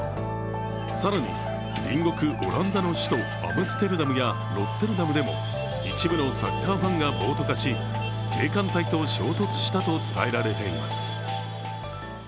更に、隣国オランダの首都アムステルダムやロッテルダムでも一部のサッカーファンが暴徒化し警官隊と衝突したと伝えられています。